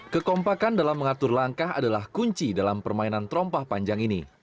kekompakan dalam mengatur langkah adalah kunci dalam permainan terompah panjang ini